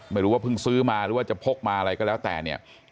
ไม่รู้ว่าเพิ่งซื้อมาหรือว่าจะพกมาอะไรก็แล้วแต่เนี่ย